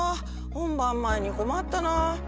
本番前に困ったな。